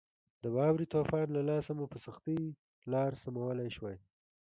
د واورې د طوفان له لاسه مو په سختۍ لار سمولای شوای.